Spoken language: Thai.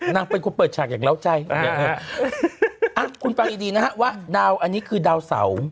นางเป็นคนเปิดฉากอย่างเหล้าใจคุณฟังดีดีนะฮะว่าดาวอันนี้คือดาวเสา